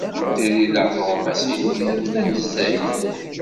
Ssirideɣ tuɣmas-inu yal tanezzayt.